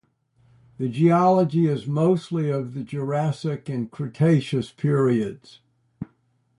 The geology is mostly of the Jurassic and Cretaceous periods.